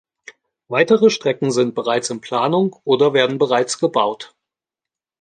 Weitere Strecken sind bereits in Planung oder werden bereits gebaut.